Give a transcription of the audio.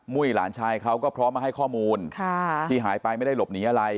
หลานชายเขาก็พร้อมมาให้ข้อมูลที่หายไปไม่ได้หลบหนีอะไร